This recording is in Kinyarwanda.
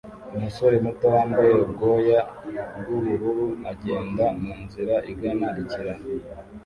Umusore muto wambaye ubwoya bwubururu agenda munzira igana ikiraro